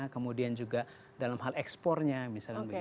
kemudian juga dalam hal ekspornya misalnya